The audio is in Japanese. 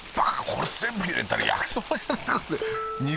これ全部入れたら焼きそばじゃなくて肉